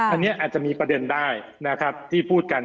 อันนี้อาจจะมีประเด็นได้นะครับที่พูดกัน